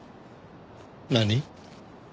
何？